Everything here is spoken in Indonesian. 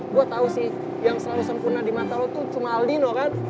gue tau sih yang selalu sempurna di mataro tuh cuma aldino kan